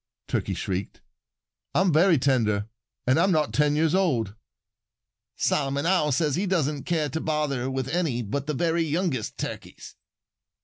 Turkey shrieked. "I'm very tender and I'm not ten years old." "Solomon Owl says he doesn't care to bother with any but the very youngest Turkeys."